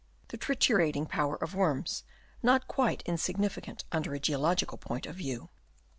The triturating power of worms not quite insignificant under a geological point of view.